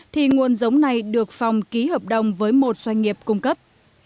thì nguồn giống này được phòng ký hợp đồng với một doanh nghiệp cung cấp